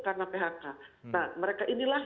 karena phk nah mereka inilah